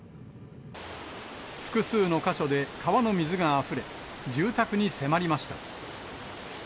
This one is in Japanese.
複数の箇所で川の水があふれ、住宅に迫りました。